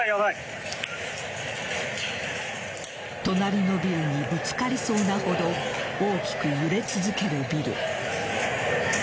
隣のビルにぶつかりそうなほど大きく揺れ続けるビル。